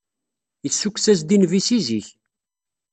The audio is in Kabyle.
Yessukkes-as-d i nnbi si zik